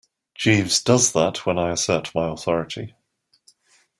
Jeeves does that when I assert my authority.